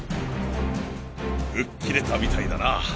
吹っ切れたみたいだな。